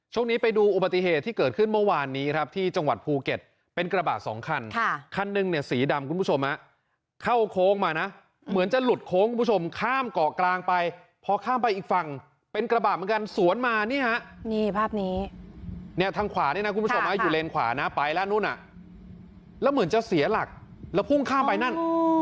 ช่วงนี้ไปดูอุบัติเหตุที่เกิดขึ้นเมื่อวานนี้ครับที่จังหวัดภูเก็ตเป็นกระบะสองคันคันหนึ่งเนี่ยสีดำคุณผู้ชมเข้าโค้งมานะเหมือนจะหลุดโค้งคุณผู้ชมข้ามเกาะกลางไปพอข้ามไปอีกฝั่งเป็นกระบะเหมือนกันสวนมานี่ฮะนี่ภาพนี้เนี่ยทางขวานี่นะคุณผู้ชมอยู่เลนขวานะไปแล้วนู่นน่ะแล้วเหมือนจะเสียหลักแล้วพุ่งข้ามไปนั่น